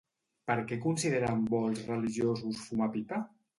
Per què consideren bo els religiosos fumar pipa?